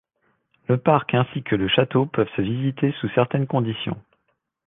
Le parc ainsi que le château peuvent se visiter sous certaines conditions.